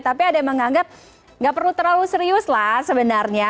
tapi ada yang menganggap nggak perlu terlalu serius lah sebenarnya